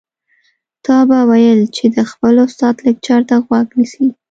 تا به ويل چې د خپل استاد لکچر ته غوږ نیسي.